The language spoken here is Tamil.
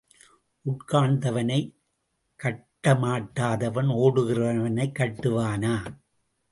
உட்கார்ந்தவனைக் கட்டமாட்டாதவன் ஓடுகிறவனைக் கட்டுவானா?